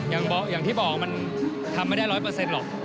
อย่างที่บอกมันทำไม่ได้ร้อยเปอร์เซ็นต์หรอก